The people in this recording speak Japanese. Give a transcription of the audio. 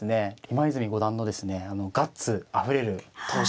今泉五段のですねガッツあふれる闘志あふれる